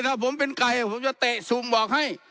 ถ้าผมเป็นไก่ผมจะเตะซูมบอกให้